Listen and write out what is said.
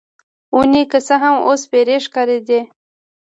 ونې که څه هم، اوس سپیرې ښکارېدې.